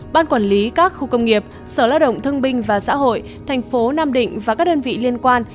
ban quản lý các khu công nghiệp sở lao động thương binh và xã hội thành phố nam định và các đơn vị liên quan